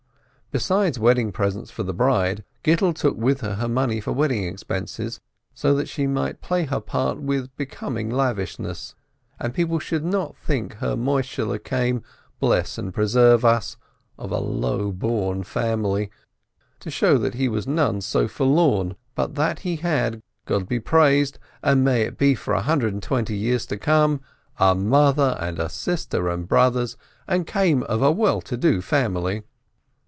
Besides wedding presents for the bride, Gittel took with her money for wedding expenses, so that she might play her part with becoming lavishness, and people should not think her Moishehle came, bless and preserve us, of a low born family — to show that he was none so forlorn but he had, God be praised and may it be for a hundred and twenty years to come! a mother, and a sister, and brothers, and came of a well to do family.